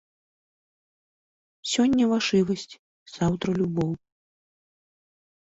Сёння вашывасць, заўтра любоў.